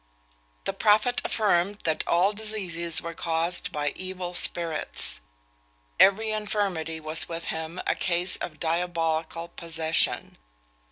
"The prophet affirmed that all diseases were caused by evil spirits. Every infirmity was with him a case of diabolical possession.